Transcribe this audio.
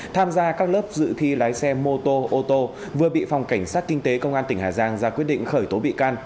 tham gia các lớp dự thi lái xe mô tô ô tô vừa bị phòng cảnh sát kinh tế công an tỉnh hà giang ra quyết định khởi tố bị can